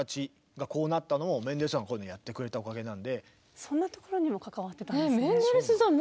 だから今そんなところにも関わってたんですね。